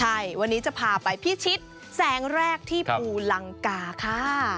ใช่วันนี้จะพาไปพิชิตแสงแรกที่ภูลังกาค่ะ